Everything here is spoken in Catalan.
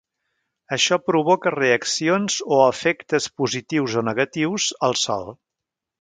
Això provoca reaccions o efectes positius o negatius al sòl.